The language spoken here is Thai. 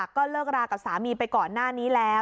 ก็เลิกรากับสามีไปก่อนหน้านี้แล้ว